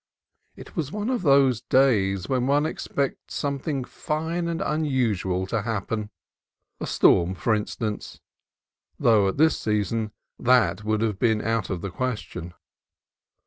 It was one of those days when one expects something fine and un usual to happen, — a storm, for instance, though at this season that would be almost out of the question.